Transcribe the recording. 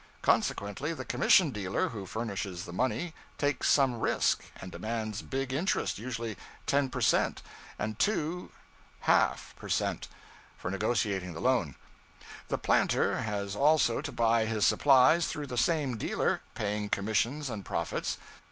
Consequently, the commission dealer who furnishes the money takes some risk and demands big interest usually 10 per cent., and 2{half} per cent. for negotiating the loan. The planter has also to buy his supplies through the same dealer, paying commissions and profits.